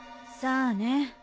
さあね。